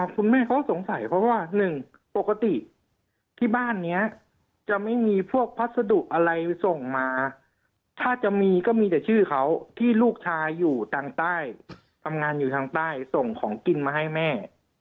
คุณแม่เขาสงสัยเพราะว่าหนึ่งปกติที่บ้านนี้จะไม่มีพวกพัสดุอะไรส่งมาถ้าจะมีก็มีแต่ชื่อเขาที่ลูกชายอยู่ทางใต้ทำงานอยู่ทางใต้ส่งของกินมาให้แม่